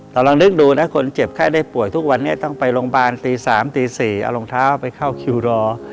เราลองนึกดูนะคนเจ็บไข้ได้ป่วยทุกวันนี้ต้องไปโรงพยาบาลตี๓ตี๔เอารองเท้าไปเข้าคิวรอ